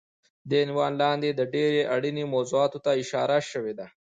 دې عنوان لاندې د ډېرې اړینې موضوعاتو ته اشاره شوی دی